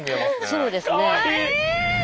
そうですね。